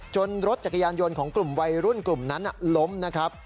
รถจักรยานยนต์ของกลุ่มวัยรุ่นกลุ่มนั้นล้มนะครับ